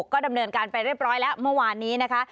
ก็ดำเนินการไปเรียบร้อยแล้วเมื่อวานนี้นะคะ